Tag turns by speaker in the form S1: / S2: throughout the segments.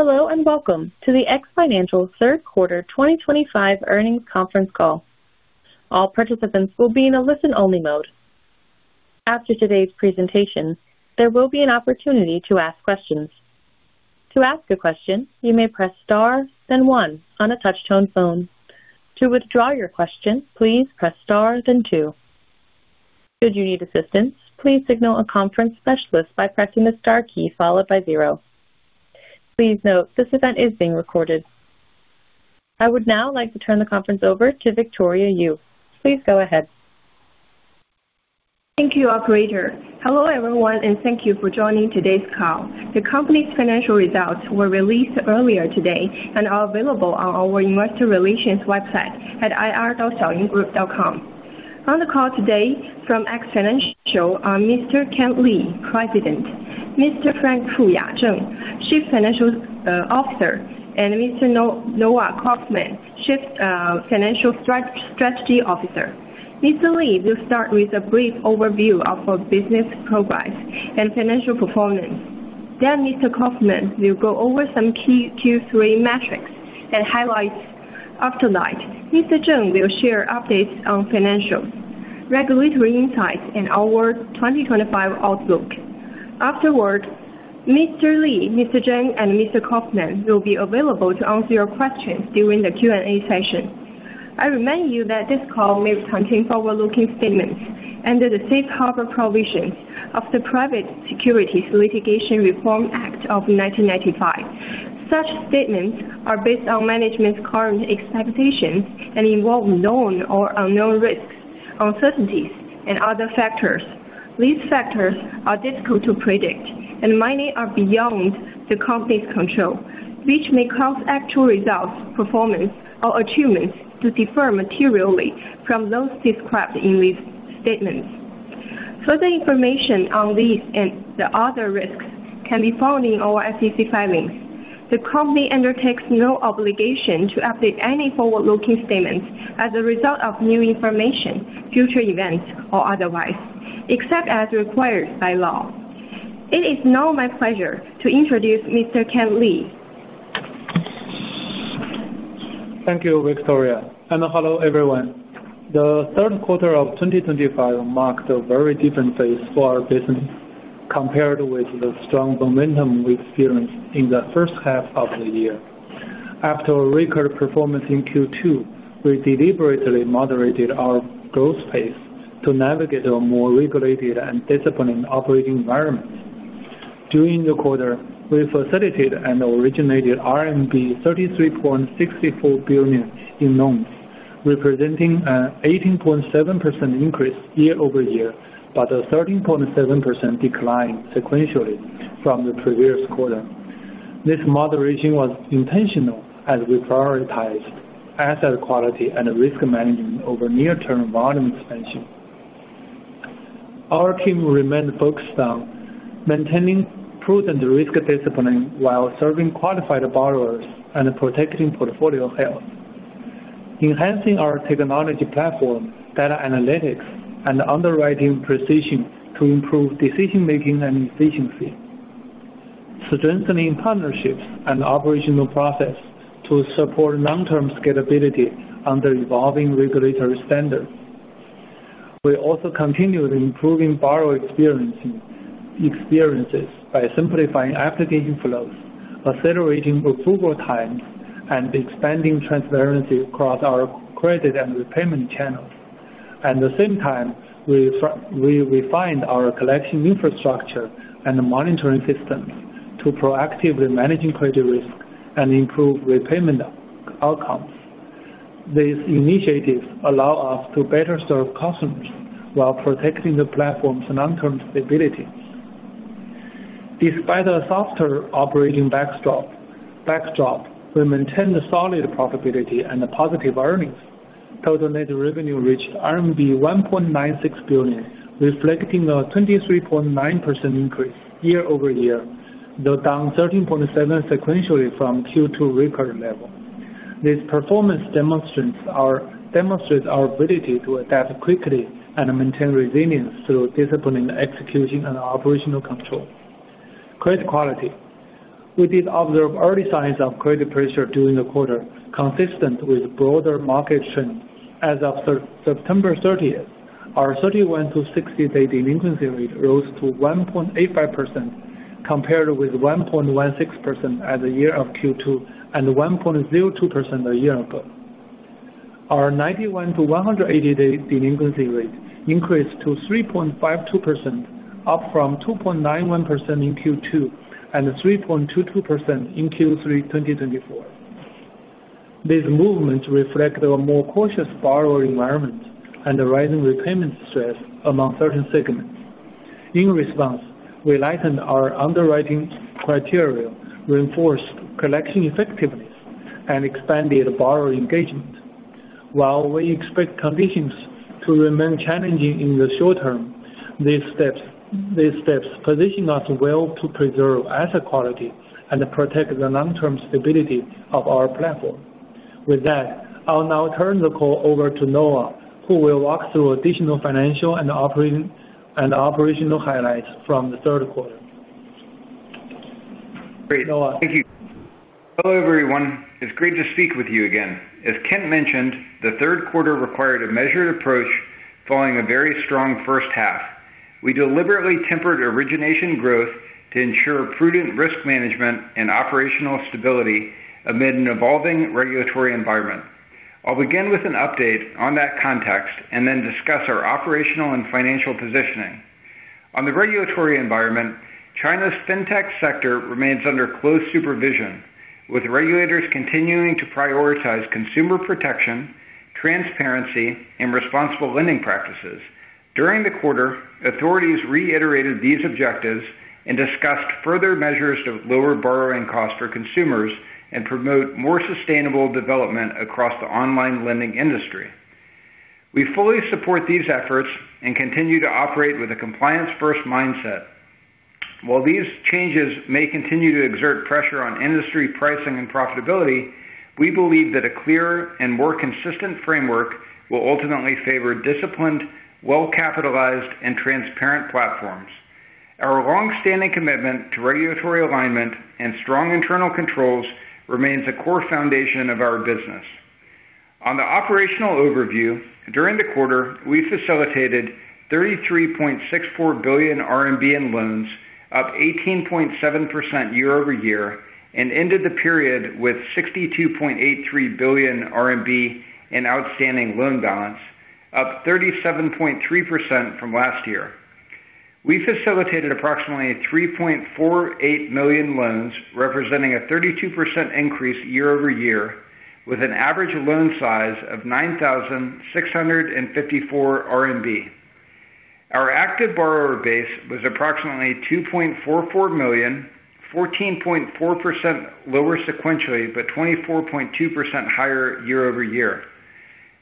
S1: Hello and welcome to the X Financial Third Quarter 2025 Earnings Conference Call. All participants will be in a listen-only mode. After today's presentation, there will be an opportunity to ask questions. To ask a question, you may press star, then one on a touch-tone phone. To withdraw your question, please press star, then two. Should you need assistance, please signal a conference specialist by pressing the star key followed by zero. Please note this event is being recorded. I would now like to turn the conference over to Victoria Yue. Please go ahead.
S2: Thank you, Operator. Hello everyone, and thank you for joining today's call. The company's financial results were released earlier today and are available on our investor relations website at ir.xfinancial.com. On the call today from X Financial are Mr. Kan Li, President; Mr. Frank Fuya Zheng, Chief Financial Officer; and Mr. Noah Kauffman, Chief Financial Strategy Officer. Mr. Li will start with a brief overview of our business progress and financial performance. Mr. Kauffman will go over some key Q3 metrics and highlights. After that, Mr. Zheng will share updates on financials, regulatory insights, and our 2025 outlook. Afterward, Mr. Li, Mr. Zheng, and Mr. Kauffman will be available to answer your questions during the Q&A session. I remind you that this call may contain forward-looking statements under the safe harbor provisions of the Private Securities Litigation Reform Act of 1995. Such statements are based on management's current expectations and involve known or unknown risks, uncertainties, and other factors. These factors are difficult to predict, and many are beyond the company's control, which may cause actual results, performance, or achievements to differ materially from those described in these statements. Further information on these and the other risks can be found in our SEC filings. The company undertakes no obligation to update any forward-looking statements as a result of new information, future events, or otherwise, except as required by law. It is now my pleasure to introduce Mr. Kan Li.
S3: Thank you, Victoria. Hello everyone. The third quarter of 2025 marked a very different phase for our business compared with the strong momentum we experienced in the first half of the year. After a record performance in Q2, we deliberately moderated our growth pace to navigate a more regulated and disciplined operating environment. During the quarter, we facilitated and originated RMB 33.64 billion in loans, representing an 18.7% increase year over year but a 13.7% decline sequentially from the previous quarter. This moderation was intentional as we prioritized asset quality and risk management over near-term volume expansion. Our team remained focused on maintaining prudent risk discipline while serving qualified borrowers and protecting portfolio health, enhancing our technology platform, data analytics, and underwriting precision to improve decision-making and efficiency, strengthening partnerships and operational processes to support long-term scalability under evolving regulatory standards. We also continued improving borrower experiences by simplifying application flows, accelerating approval times, and expanding transparency across our credit and repayment channels. At the same time, we refined our collection infrastructure and monitoring systems to proactively manage credit risk and improve repayment outcomes. These initiatives allow us to better serve customers while protecting the platform's long-term stability. Despite a softer operating backdrop, we maintained solid profitability and positive earnings. Total net revenue reached RMB 1.96 billion, reflecting a 23.9% increase year over year, though down 13.7% sequentially from Q2 record level. This performance demonstrates our ability to adapt quickly and maintain resilience through disciplined execution and operational control. Credit quality: We did observe early signs of credit pressure during the quarter, consistent with broader market trends. As of September 30, our 31-60-day delinquency rate rose to 1.85%, compared with 1.16% at the end of Q2 and 1.02% a year ago. Our 91-180-day delinquency rate increased to 3.52%, up from 2.91% in Q2 and 3.22% in Q3 2022. These movements reflect a more cautious borrower environment and rising repayment stress among certain segments. In response, we tightened our underwriting criteria, reinforced collection effectiveness, and expanded borrower engagement. While we expect conditions to remain challenging in the short term, these steps position us well to preserve asset quality and protect the long-term stability of our platform. With that, I'll now turn the call over to Noah, who will walk through additional financial and operational highlights from the third quarter. Great. Thank you. Noah.
S4: Thank you. Hello everyone. It's great to speak with you again. As Kent mentioned, the third quarter required a measured approach following a very strong first half. We deliberately tempered origination growth to ensure prudent risk management and operational stability amid an evolving regulatory environment. I'll begin with an update on that context and then discuss our operational and financial positioning. On the regulatory environment, China's fintech sector remains under close supervision, with regulators continuing to prioritize consumer protection, transparency, and responsible lending practices. During the quarter, authorities reiterated these objectives and discussed further measures to lower borrowing costs for consumers and promote more sustainable development across the online lending industry. We fully support these efforts and continue to operate with a compliance-first mindset. While these changes may continue to exert pressure on industry pricing and profitability, we believe that a clearer and more consistent framework will ultimately favor disciplined, well-capitalized, and transparent platforms. Our long-standing commitment to regulatory alignment and strong internal controls remains a core foundation of our business. On the operational overview, during the quarter, we facilitated 33.64 billion RMB in loans, up 18.7% year over year, and ended the period with 62.83 billion RMB in outstanding loan balance, up 37.3% from last year. We facilitated approximately 3.48 million loans, representing a 32% increase year over year, with an average loan size of 9,654 RMB. Our active borrower base was approximately 2.44 million, 14.4% lower sequentially, but 24.2% higher year over year.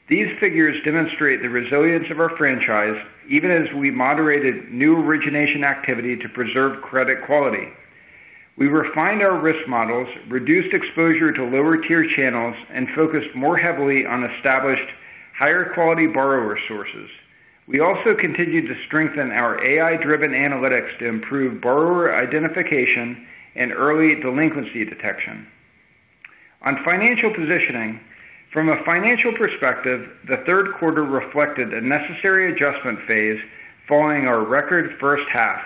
S4: These figures demonstrate the resilience of our franchise, even as we moderated new origination activity to preserve credit quality. We refined our risk models, reduced exposure to lower-tier channels, and focused more heavily on established, higher-quality borrower sources. We also continued to strengthen our AI-driven analytics to improve borrower identification and early delinquency detection. On financial positioning, from a financial perspective, the third quarter reflected a necessary adjustment phase following our record first half.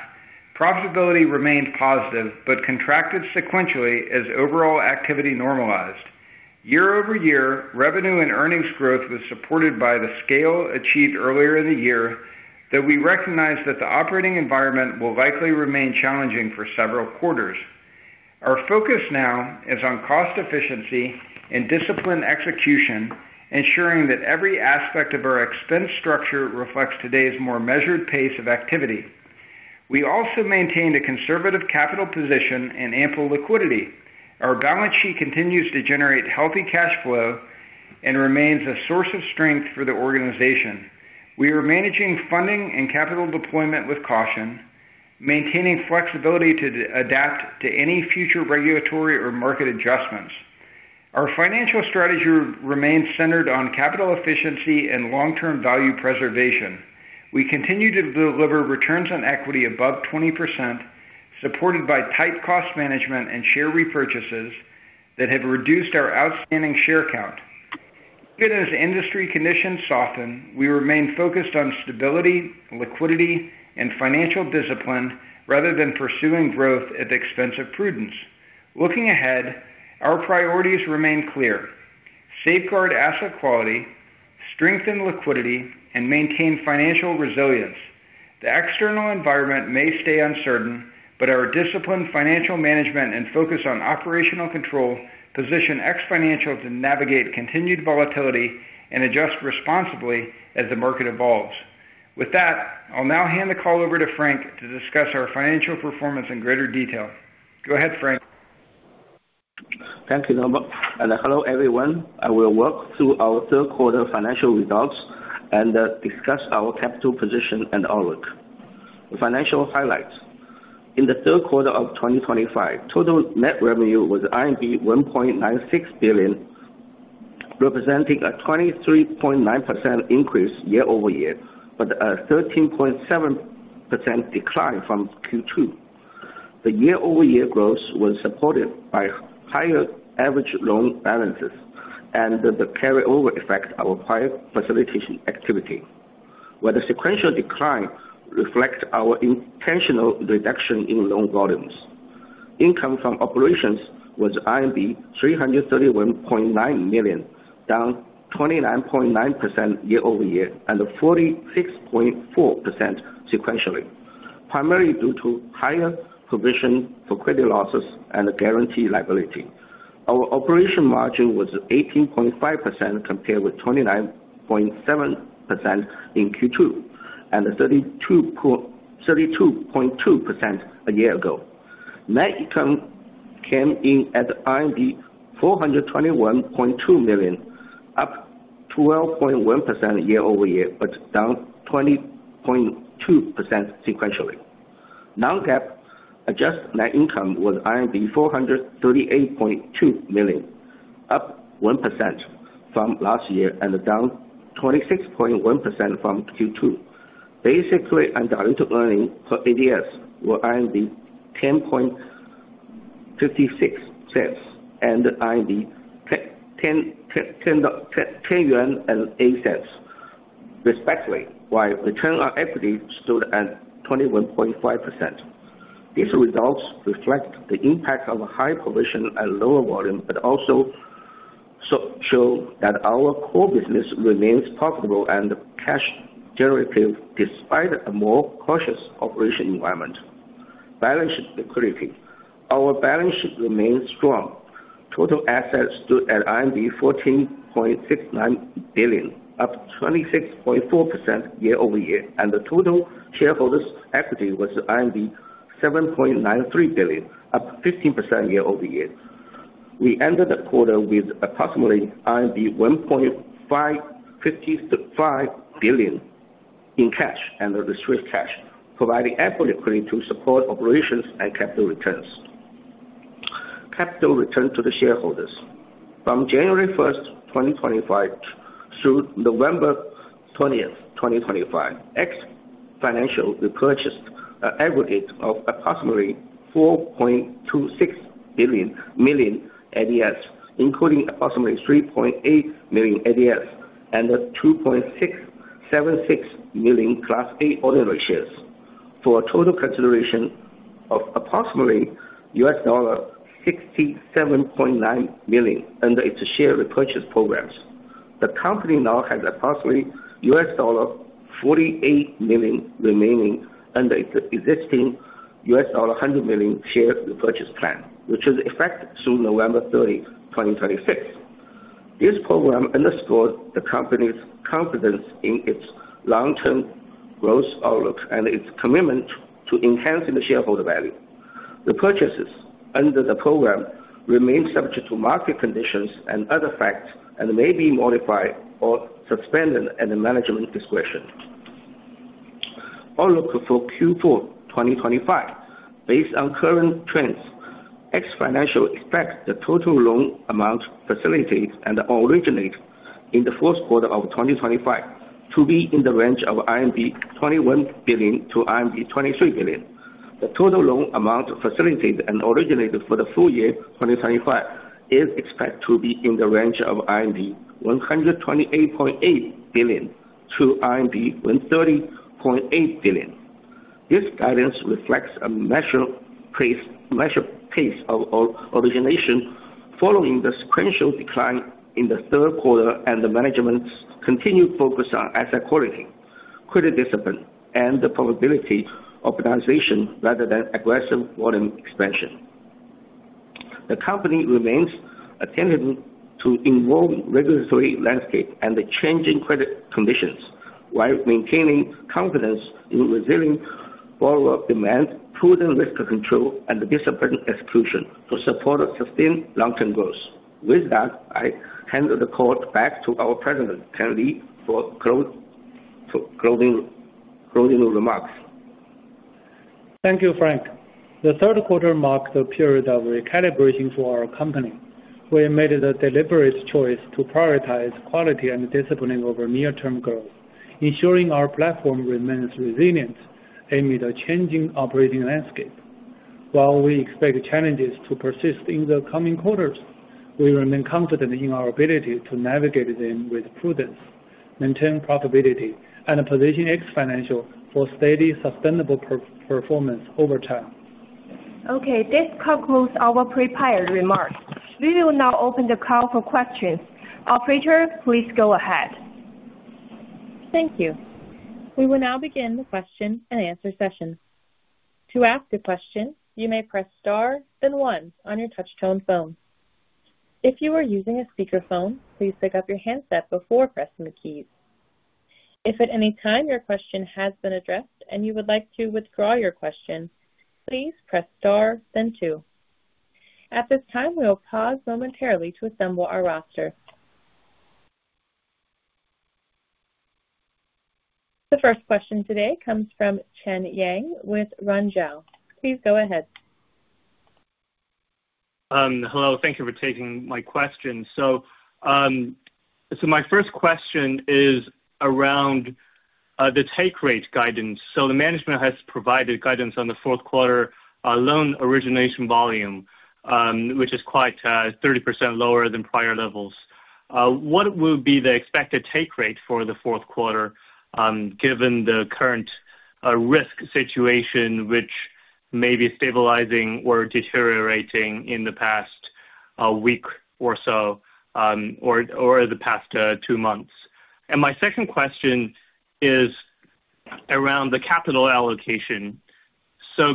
S4: Profitability remained positive but contracted sequentially as overall activity normalized. Year over year, revenue and earnings growth was supported by the scale achieved earlier in the year, though we recognize that the operating environment will likely remain challenging for several quarters. Our focus now is on cost efficiency and disciplined execution, ensuring that every aspect of our expense structure reflects today's more measured pace of activity. We also maintained a conservative capital position and ample liquidity. Our balance sheet continues to generate healthy cash flow and remains a source of strength for the organization. We are managing funding and capital deployment with caution, maintaining flexibility to adapt to any future regulatory or market adjustments. Our financial strategy remains centered on capital efficiency and long-term value preservation. We continue to deliver returns on equity above 20%, supported by tight cost management and share repurchases that have reduced our outstanding share count. Even as industry conditions soften, we remain focused on stability, liquidity, and financial discipline rather than pursuing growth at the expense of prudence. Looking ahead, our priorities remain clear: safeguard asset quality, strengthen liquidity, and maintain financial resilience. The external environment may stay uncertain, but our disciplined financial management and focus on operational control position X Financial to navigate continued volatility and adjust responsibly as the market evolves. With that, I'll now hand the call over to Frank to discuss our financial performance in greater detail. Go ahead, Frank.
S5: Thank you, Noah. Hello everyone. I will walk through our third quarter financial results and discuss our capital position and outlook. The financial highlights: In the third quarter of 2025, total net revenue was 1.96 billion, representing a 23.9% increase year over year, but a 13.7% decline from Q2. The year-over-year growth was supported by higher average loan balances and the carryover effect of our prior facilitation activity, where the sequential decline reflects our intentional reduction in loan volumes. Income from operations was 331.9 million, down 29.9% year over year and 46.4% sequentially, primarily due to higher provision for credit losses and guarantee liability. Our operation margin was 18.5% compared with 29.7% in Q2 and 32.2% a year ago. Net income came in at RMB 421.2 million, up 12.1% year over year, but down 20.2% sequentially. Non-GAAP adjusted net income was 438.2 million, up 1% from last year and down 26.1% from Q2. Basic and direct earnings per ADS were 10.56 and 10.08 yuan, respectively, while return on equity stood at 21.5%. These results reflect the impact of high provision and lower volume, but also show that our core business remains profitable and cash-generative despite a more cautious operation environment. Balance sheet liquidity: Our balance sheet remained strong. Total assets stood at RMB 14.69 billion, up 26.4% year over year, and the total shareholders' equity was 7.93 billion, up 15% year over year. We ended the quarter with approximately 1.55 billion in cash and reserved cash, providing equity to support operations and capital returns. Capital return to the shareholders: From January 1, 2025, through November 20, 2025, X Financial repurchased an aggregate of approximately $4.26 million ADS, including approximately $3.8 million ADS and $2.76 million Class A ordinary shares, for a total consideration of approximately $67.9 million under its share repurchase programs. The company now has approximately $48 million remaining under its existing $100 million share repurchase plan, which will be in effect through November 30, 2026. This program underscores the company's confidence in its long-term growth outlook and its commitment to enhancing shareholder value. The purchases under the program remain subject to market conditions and other factors and may be modified or suspended at management discretion. Outlook for Q4 2025: Based on current trends, X Financial expects the total loan amount facilitated and originated in the fourth quarter of 2025 to be in the range of 21 billion-23 billion RMB. The total loan amount facilitated and originated for the full year 2025 is expected to be in the range of 128.8 billion-130.8 billion RMB. This guidance reflects a measured pace of origination following the sequential decline in the third quarter and the management's continued focus on asset quality, credit discipline, and the probability of capitalization rather than aggressive volume expansion. The company remains attentive to the involved regulatory landscape and the changing credit conditions, while maintaining confidence in resilient borrower demand, prudent risk control, and disciplined execution to support sustained long-term growth. With that, I hand the call back to our President, Kent Li, for closing remarks.
S3: Thank you, Frank. The third quarter marked a period of recalibration for our company. We made a deliberate choice to prioritize quality and discipline over near-term growth, ensuring our platform remains resilient amid a changing operating landscape. While we expect challenges to persist in the coming quarters, we remain confident in our ability to navigate them with prudence, maintain profitability, and position X Financial for steady, sustainable performance over time.
S2: Okay, this concludes our prepared remarks. We will now open the call for questions. Operator, please go ahead.
S1: Thank you. We will now begin the question-and-answer session. To ask a question, you may press star, then one on your touch-tone phone. If you are using a speakerphone, please pick up your handset before pressing the keys. If at any time your question has been addressed and you would like to withdraw your question, please press star, then two. At this time, we will pause momentarily to assemble our roster. The first question today comes from Chen Yang with Runjan. Please go ahead.
S6: Hello, thank you for taking my question. My first question is around the take rate guidance. The management has provided guidance on the fourth quarter loan origination volume, which is quite 30% lower than prior levels. What will be the expected take rate for the fourth quarter given the current risk situation, which may be stabilizing or deteriorating in the past week or so, or the past two months? My second question is around the capital allocation.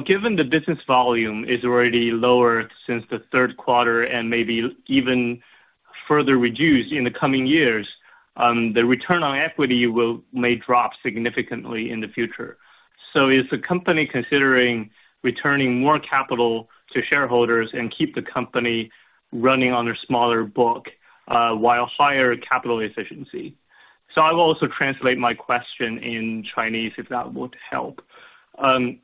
S6: Given the business volume is already lower since the third quarter and maybe even further reduced in the coming years, the return on equity may drop significantly in the future. Is the company considering returning more capital to shareholders and keep the company running on a smaller book while higher capital efficiency? I will also translate my question in Chinese if that would help. the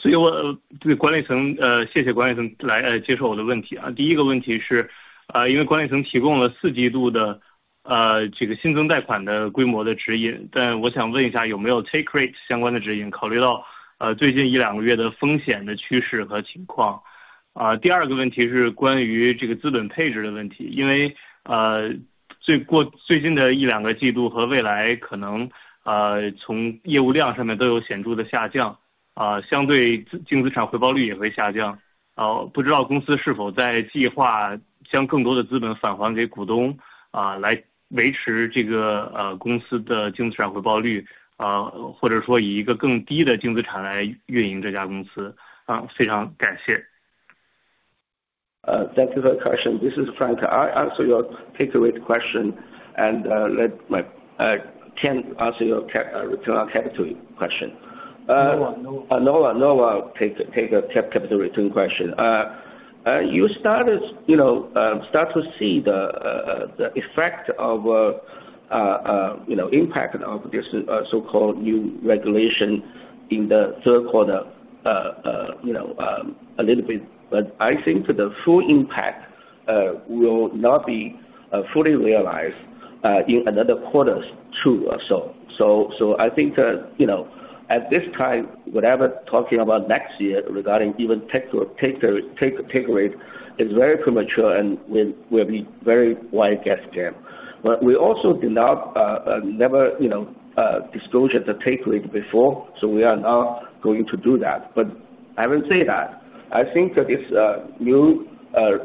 S6: company with a lower net asset base. Thank you very much.
S5: Thank you for the question. This is Frank. I'll answer your takeaway question and let Kan answer your return on capital question. Noah, Noah. Take a capital return question. You started to see the effect of impact of this so-called new regulation in the third quarter a little bit, but I think the full impact will not be fully realized in another quarter or so. I think at this time, whatever talking about next year regarding even take rate is very premature and will be very wide gaps there. We also did not disclose the take rate before, so we are now going to do that. I will say that I think that this new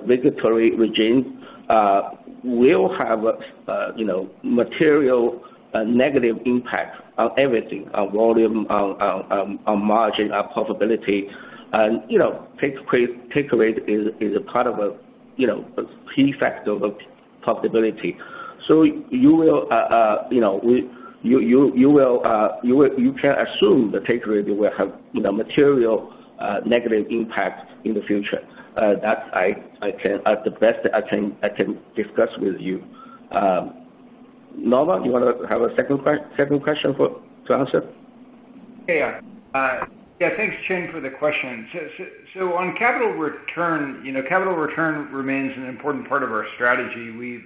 S5: regulatory regime will have a material negative impact on everything: on volume, on margin, on profitability. Take rate is a part of a key factor of profitability. You can assume the take rate will have material negative impact in the future. That's the best I can discuss with you. Noah, you want to have a second question to answer?
S4: Yeah, yeah. Yeah, thanks, Chen, for the question. On capital return, capital return remains an important part of our strategy. We've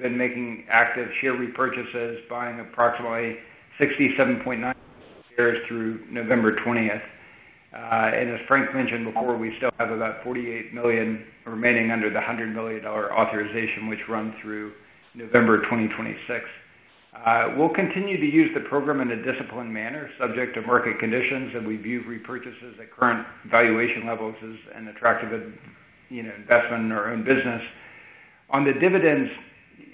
S4: been making active share repurchases, buying approximately 67.9 million shares through November 20th. As Frank mentioned before, we still have about $48 million remaining under the $100 million authorization, which runs through November 2026. We will continue to use the program in a disciplined manner, subject to market conditions, and we view repurchases at current valuation levels as an attractive investment in our own business. On the dividends,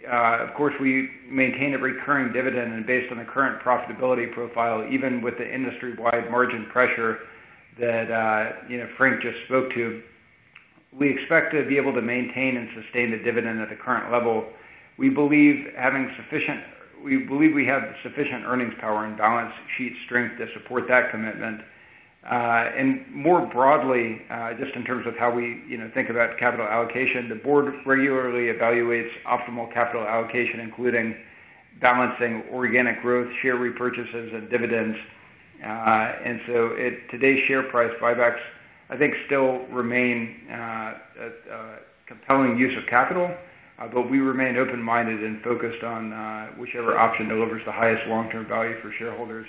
S4: of course, we maintain a recurring dividend, and based on the current profitability profile, even with the industry-wide margin pressure that Frank just spoke to, we expect to be able to maintain and sustain the dividend at the current level. We believe we have sufficient earnings power and balance sheet strength to support that commitment. More broadly, just in terms of how we think about capital allocation, the board regularly evaluates optimal capital allocation, including balancing organic growth, share repurchases, and dividends. Today's share price buybacks, I think, still remain a compelling use of capital, but we remain open-minded and focused on whichever option delivers the highest long-term value for shareholders.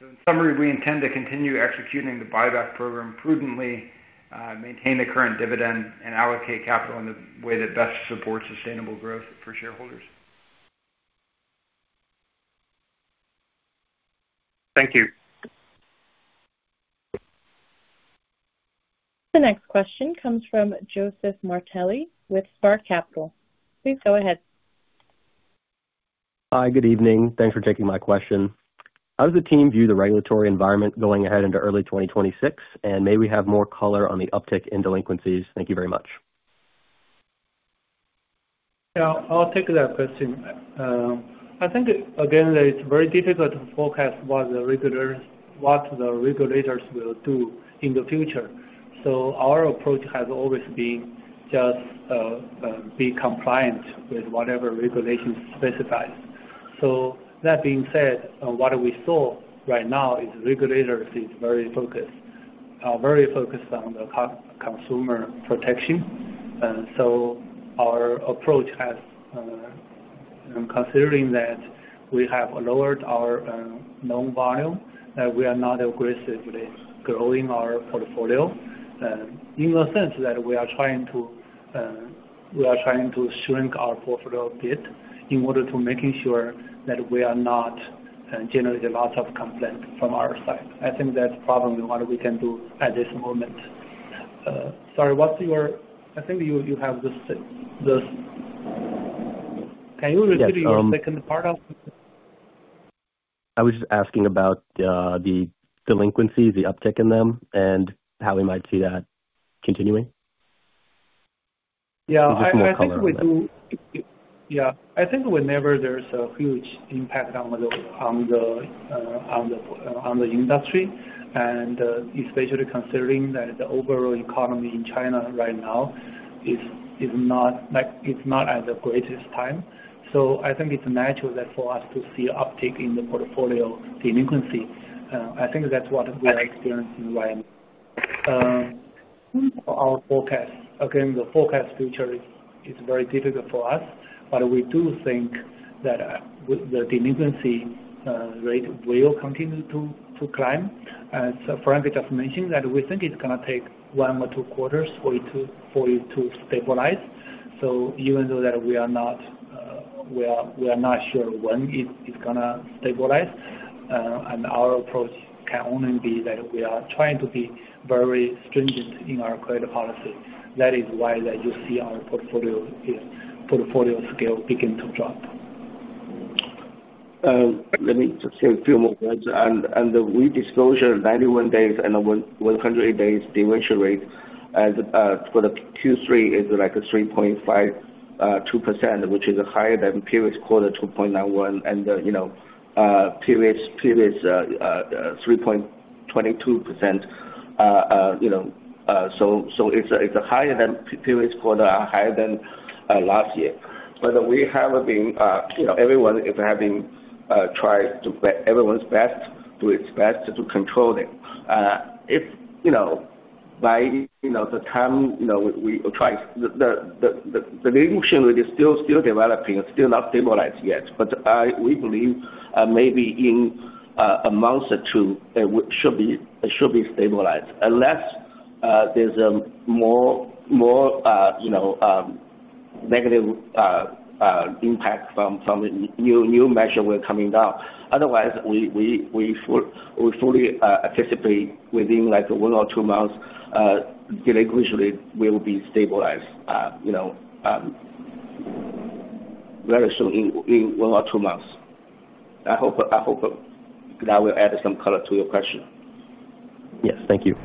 S4: In summary, we intend to continue executing the buyback program prudently, maintain the current dividend, and allocate capital in the way that best supports sustainable growth for shareholders.
S5: Thank you.
S1: The next question comes from Joseph Martelli with Spark Capital. Please go ahead.
S7: Hi, good evening. Thanks for taking my question. How does the team view the regulatory environment going ahead into early 2026? May we have more color on the uptick in delinquencies? Thank you very much.
S3: Yeah, I'll take that question. I think, again, it's very difficult to forecast what the regulators will do in the future. Our approach has always been just be compliant with whatever regulations specify. That being said, what we saw right now is regulators are very focused on the consumer protection. Our approach has, considering that we have lowered our loan volume, that we are not aggressively growing our portfolio in the sense that we are trying to shrink our portfolio a bit in order to make sure that we are not generating lots of complaints from our side. I think that's probably what we can do at this moment. Sorry, what's your—I think you have the—can you repeat your second part of it?
S7: I was just asking about the delinquencies, the uptick in them, and how we might see that continuing?
S3: Yeah, I think we do. Yeah, I think whenever there's a huge impact on the industry, and especially considering that the overall economy in China right now is not at the greatest time. I think it's natural for us to see an uptick in the portfolio delinquency. I think that's what we are experiencing right now. Our forecast, again, the forecast future is very difficult for us, but we do think that the delinquency rate will continue to climb. As Frank just mentioned, we think it's going to take one or two quarters for it to stabilize. Even though we are not sure when it's going to stabilize, our approach can only be that we are trying to be very stringent in our credit policy. That is why you see our portfolio scale begin to drop.
S7: Let me just say a few more words. The redisclosure, 91 days and 100 days delinquency rate, and for the Q3 is like 3.52%, which is higher than previous quarter 2.91% and previous 3.22%. It is higher than previous quarter, higher than last year. We have been—everyone is trying their best to control it. By the time we try, the delinquency rate is still developing, still not stabilized yet. We believe maybe in a month or two, it should be stabilized unless there is more negative impact from the new measure we are coming down. Otherwise, we fully anticipate within one or two months, delinquency rate will be stabilized very soon in one or two months. I hope that will add some color to your question. Yes, thank you.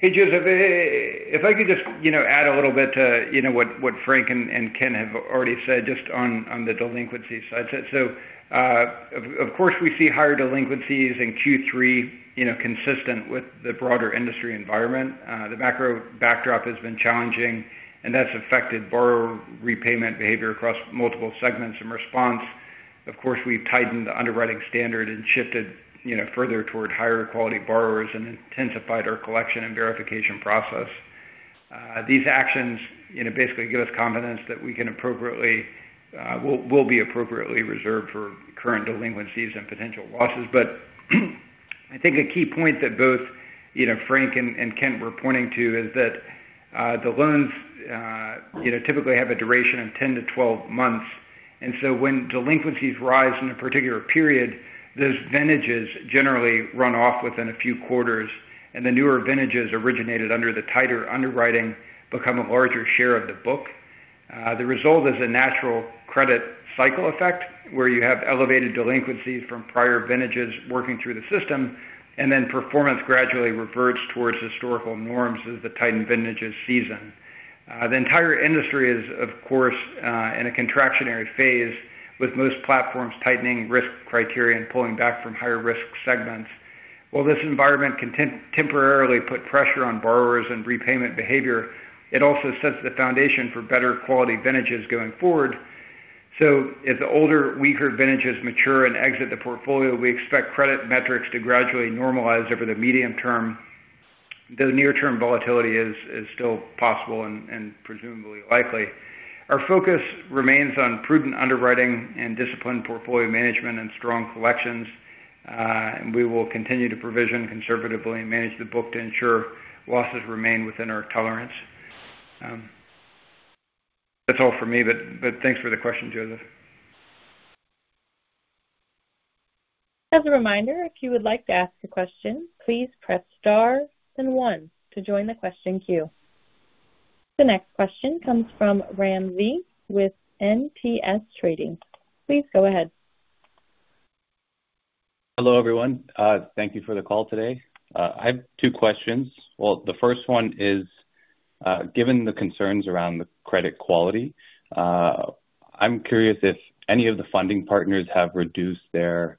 S1: Thanks, Joseph.
S4: If I could just add a little bit to what Frank and Kan have already said just on the delinquency side. Of course, we see higher delinquencies in Q3 consistent with the broader industry environment. The macro backdrop has been challenging, and that has affected borrower repayment behavior across multiple segments and response. Of course, we have tightened the underwriting standard and shifted further toward higher quality borrowers and intensified our collection and verification process. These actions basically give us confidence that we will be appropriately reserved for current delinquencies and potential losses. I think a key point that both Frank and Kan were pointing to is that the loans typically have a duration of 10-12 months. When delinquencies rise in a particular period, those vintages generally run off within a few quarters. The newer vintages originated under the tighter underwriting become a larger share of the book. The result is a natural credit cycle effect where you have elevated delinquencies from prior vintages working through the system, and then performance gradually reverts towards historical norms as the tightened vintages season. The entire industry is, of course, in a contractionary phase with most platforms tightening risk criteria and pulling back from higher risk segments. While this environment can temporarily put pressure on borrowers and repayment behavior, it also sets the foundation for better quality vintages going forward. As the older, weaker vintages mature and exit the portfolio, we expect credit metrics to gradually normalize over the medium term, though near-term volatility is still possible and presumably likely. Our focus remains on prudent underwriting and disciplined portfolio management and strong collections. We will continue to provision conservatively and manage the book to ensure losses remain within our tolerance. That is all for me, thanks for the question, Joseph.
S1: As a reminder, if you would like to ask a question, please press star then one to join the question queue. The next question comes from Ramzi with NTS Trading. Please go ahead.
S8: Hello, everyone. Thank you for the call today. I have two questions. The first one is, given the concerns around the credit quality, I'm curious if any of the funding partners have reduced their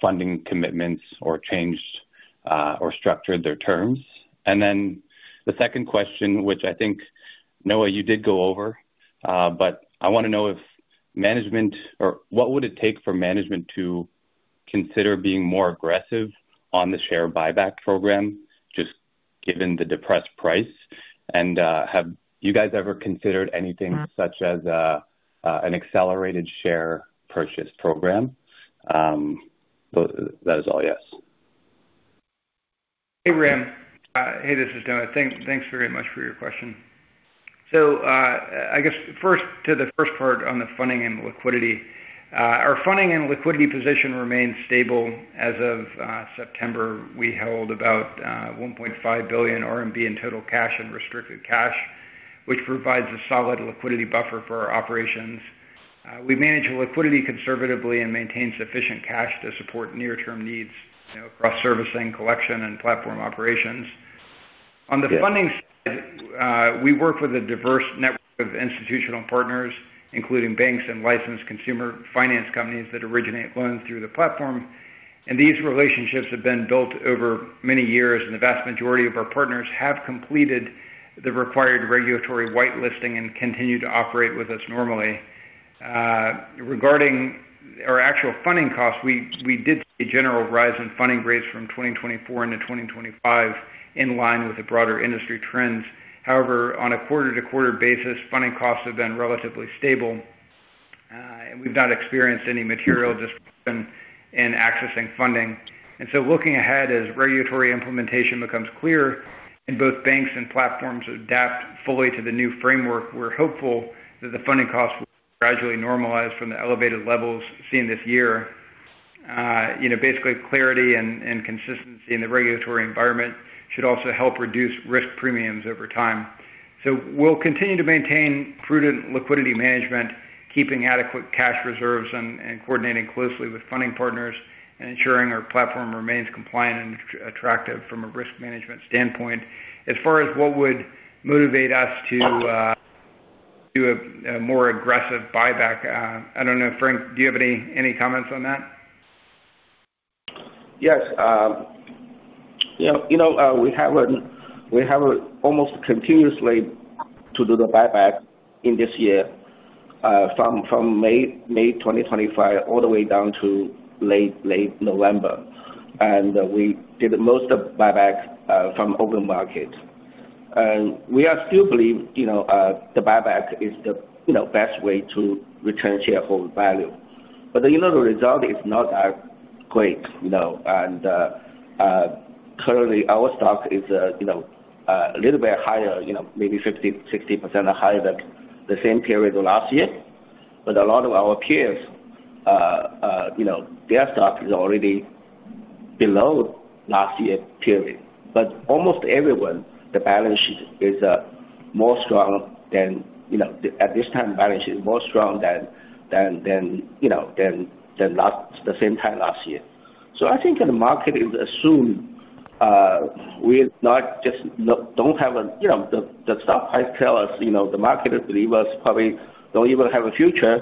S8: funding commitments or changed or structured their terms. The second question, which I think, Noah, you did go over, but I want to know if management, or what would it take for management to consider being more aggressive on the share buyback program, just given the depressed price? Have you guys ever considered anything such as an accelerated share purchase program? That is all yes.
S4: Hey, Ram. Hey, this is Noah. Thanks very much for your question. First, to the first part on the funding and liquidity. Our funding and liquidity position remains stable. As of September, we held about 1.5 billion RMB in total cash and restricted cash, which provides a solid liquidity buffer for our operations. We manage liquidity conservatively and maintain sufficient cash to support near-term needs across servicing, collection, and platform operations. On the funding side, we work with a diverse network of institutional partners, including banks and licensed consumer finance companies that originate loans through the platform. These relationships have been built over many years, and the vast majority of our partners have completed the required regulatory whitelisting and continue to operate with us normally. Regarding our actual funding costs, we did see a general rise in funding rates from 2024 into 2025 in line with the broader industry trends. However, on a quarter-to-quarter basis, funding costs have been relatively stable, and we've not experienced any material disruption in accessing funding. Looking ahead, as regulatory implementation becomes clear and both banks and platforms adapt fully to the new framework, we're hopeful that the funding costs will gradually normalize from the elevated levels seen this year. Basically, clarity and consistency in the regulatory environment should also help reduce risk premiums over time. We will continue to maintain prudent liquidity management, keeping adequate cash reserves and coordinating closely with funding partners, and ensuring our platform remains compliant and attractive from a risk management standpoint. As far as what would motivate us to do a more aggressive buyback, I don't know, Frank, do you have any comments on that?
S5: Yes. We have almost continuously to do the buyback in this year from May 2025 all the way down to late November. We did most of the buyback from open market. We still believe the buyback is the best way to return shareholder value. The result is not that great. Currently, our stock is a little bit higher, maybe 60% higher than the same period last year. A lot of our peers, their stock is already below last year's period. Almost everyone, the balance sheet is more strong than at this time, the balance sheet is more strong than the same time last year. I think the market is assuming we do not have a the stock price tells us the market believes us probably do not even have a future.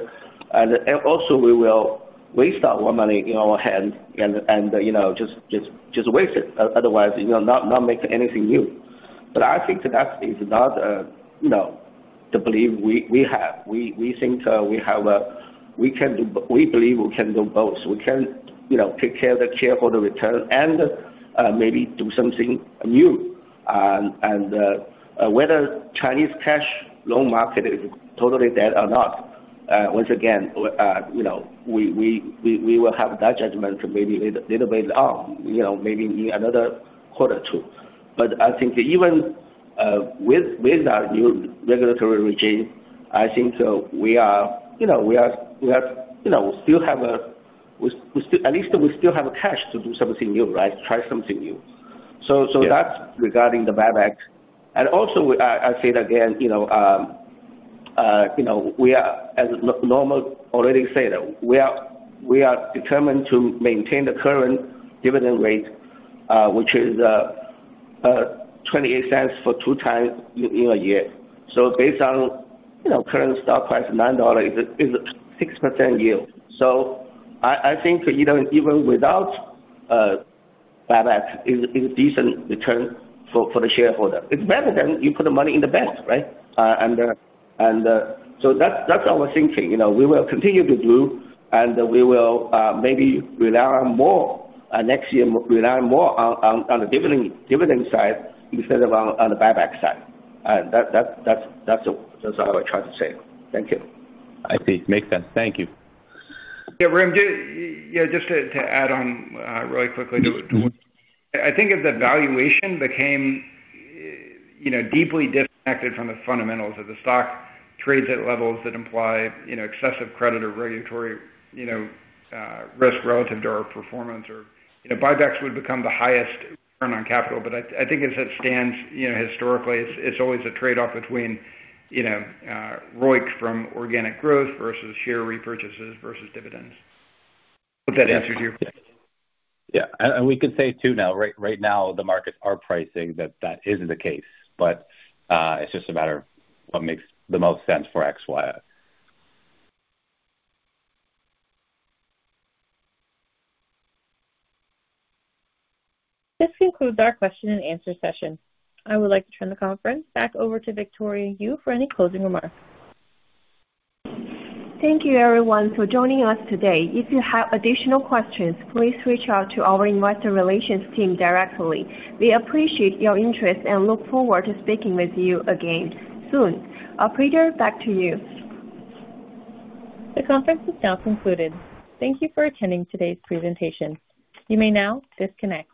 S5: Also, we will waste our money in our hands and just waste it. Otherwise, not make anything new. I think that is not the belief we have. We think we can do, we believe we can do both. We can take care of the shareholder return and maybe do something new. Whether Chinese cash loan market is totally dead or not, once again, we will have that judgment maybe a little bit long, maybe in another quarter or two. I think even with that new regulatory regime, I think we still have at least we still have cash to do something new, right? Try something new. That is regarding the buyback. I say that again, we are, as Noah already said, we are determined to maintain the current dividend rate, which is $0.28 for two times in a year. Based on current stock price of $9, it is a 6% yield. I think even without buyback, it's a decent return for the shareholder. It's better than you put the money in the bank, right? That's our thinking. We will continue to do, and we will maybe rely on more next year, rely more on the dividend side instead of on the buyback side. That's all I try to say. Thank you.
S8: I see. Makes sense. Thank you.
S4: Yeah, Ram, just to add on really quickly to what I think is the valuation became deeply disconnected from the fundamentals of the stock trades at levels that imply excessive credit or regulatory risk relative to our performance. Buybacks would become the highest return on capital. I think as it stands historically, it's always a trade-off between ROIC from organic growth versus share repurchases versus dividends. Hope that answers your question.
S8: Yeah. We can say too now, right now, the markets are pricing that that isn't the case, but it's just a matter of what makes the most sense for X Financial.
S1: This concludes our question and answer session. I would like to turn the conference back over to Victoria Yu for any closing remarks.
S2: Thank you, everyone, for joining us today. If you have additional questions, please reach out to our investor relations team directly. We appreciate your interest and look forward to speaking with you again soon. A prayer back to you.
S1: The conference is now concluded. Thank you for attending today's presentation. You may now disconnect.